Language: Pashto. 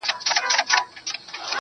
o ژوند سرینده نه ده، چي بیا یې وږغوم.